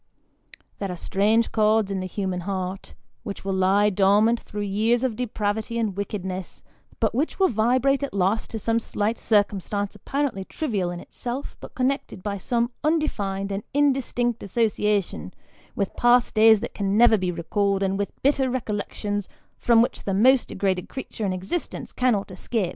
There are strange chords in the human heart, which will lie dormant through years of depravity and wickedness, but which will vibrate at last to some slight circumstance apparently trivial in itself, but con nected by some undefined and indistinct association, with past days that can never be recalled, and with bitter recollections from which the most degraded creature in existence cannot escape.